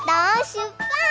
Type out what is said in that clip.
しゅっぱつ！